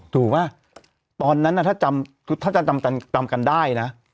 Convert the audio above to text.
ถูกไหมตอนนั้นถ้าจำกันได้นะ